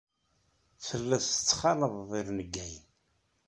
Telliḍ tettxalaḍeḍ irneggayen.